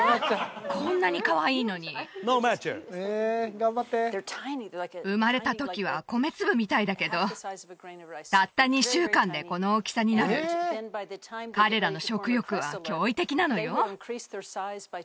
こんなにかわいいのに生まれたときは米粒みたいだけどたった２週間でこの大きさになる彼らの食欲は驚異的なのよ